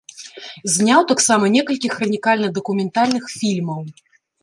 Зняў таксама некалькі хранікальна-дакументальных фільмаў.